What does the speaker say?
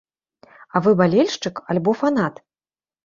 А вы балельшчык альбо фанат?